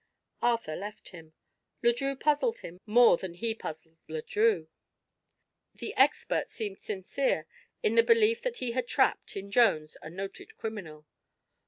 Arthur left him. Le Drieux puzzled him more than he puzzled Le Drieux. The expert seemed sincere in the belief that he had trapped, in Jones, a noted criminal.